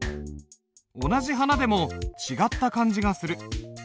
同じ「花」でも違った感じがする。